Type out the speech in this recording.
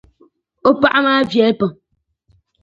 O paɣa maa viɛli pam.